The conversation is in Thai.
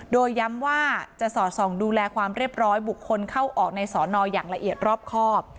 โดยย้ำว่าจะสอดส่องดูแลความเรียบร้อยบุคคลเข้าออกในสอนออย่างละเอียดรอบครอบ